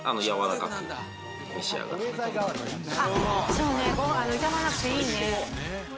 「そうね傷まなくていいね」